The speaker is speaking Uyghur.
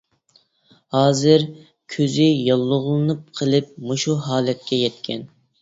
ھازىر كۆزى ياللۇغلىنىپ قېلىپ مۇشۇ ھالەتكە يەتكەن.